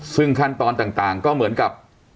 ซึ่งขั้นตอนต่างก็เหมือนกับ